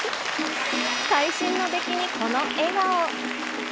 会心の出来にこの笑顔。